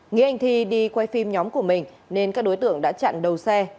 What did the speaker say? nghĩ anh thi đi quay phim nhóm của mình nên các đối tượng đã chặn đầu xe